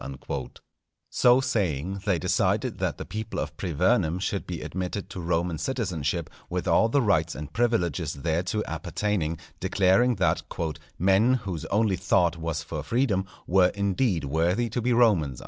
_" So saying, they decided that the people of Privernum should be admitted to Roman citizenship, with all the rights and privileges thereto appertaining; declaring that "_men whose only thought was for freedom, were indeed worthy to be Romans.